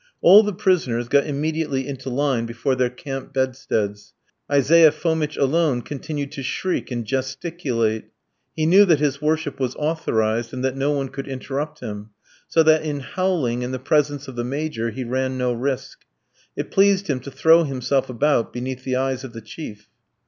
All the prisoners got immediately into line before their camp bedsteads. Isaiah Fomitch alone continued to shriek and gesticulate. He knew that his worship was authorised, and that no one could interrupt him, so that in howling in the presence of the Major he ran no risk. It pleased him to throw himself about beneath the eyes of the chief.